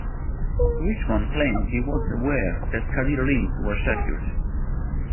Richmond claimed he wasn't aware that Kadir's limbs were secured.